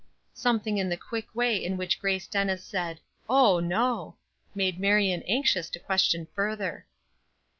Something in the quick way in which Grace Dennis said, "Oh, no," made Marion anxious to question further.